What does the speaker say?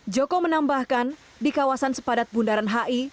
joko menambahkan di kawasan sepadat bundaran hi